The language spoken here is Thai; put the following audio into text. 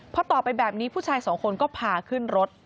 พอต่อไปแบบนี้ผู้ชายสองคนก็พาขึ้นรถ